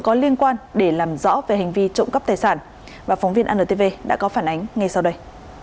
có liên quan để làm rõ về hành vi trộm cắp tài sản và phóng viên antv đã có phản ánh ngay sau đây